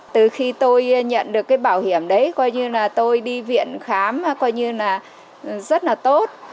từ khi tôi nhận được bảo hiểm đấy tôi đi viện khám rất là tốt